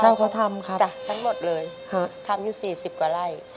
ใช่ครับทำหมดเลยทำยูว๔๐กว่าไร่